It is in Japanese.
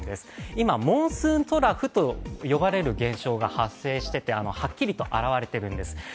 今、モンスーントラフと呼ばれる現象が発生してはっきりと現れているんです